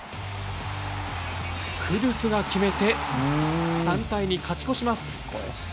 クドゥスが決めて、３対２勝ち越します。